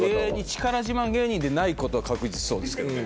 力自慢芸人でないことは確実そうですけどね。